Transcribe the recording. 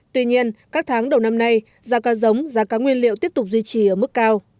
tuy nhiên các tháng đầu năm nay giá cá giống giá cá nguyên liệu tiếp tục duy trì ở mức cao